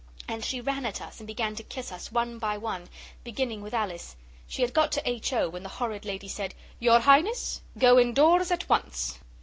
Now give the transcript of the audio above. And she ran at us, and began to kiss us one by one, beginning with Alice; she had got to H. O. when the horrid lady said 'Your Highness go indoors at once!